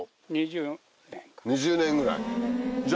２０年ぐらい。